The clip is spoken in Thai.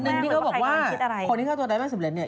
ที่เขาบอกว่าคนที่ฆ่าตัวตายไม่สำเร็จเนี่ย